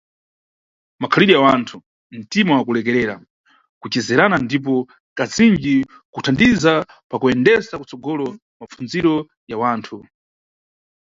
Makhalidwe ya wanthu, ntima wa kulekerera, kucezerana ndipo, kazinji, kuthandiza pakuyendesa kutsogolo mapfundziro ya wanthu.